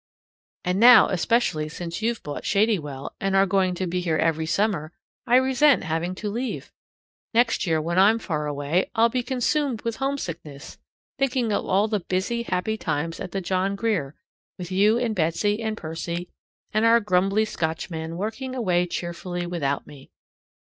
And now especially since you've bought Shadywell, and are going to be here every summer, I resent having to leave. Next year, when I'm far away, I'll be consumed with homesickness, thinking of all the busy, happy times at the John Grier, with you and Betsy and Percy and our grumbly Scotchman working away cheerfully without me.